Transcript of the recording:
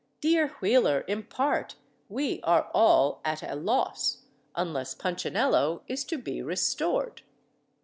Dear Wheeler, impart wee are all att a loss, Unless Punchinello is to be restored."